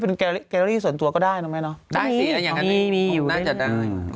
เป็นส่วนตัวก็ได้ตรงไหนเนอะได้นะอย่างกันมีอยู่น่าจะได้